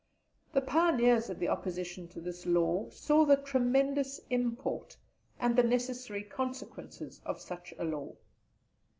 The pioneers of the opposition to this law saw the tremendous import, and the necessary consequences of such a law.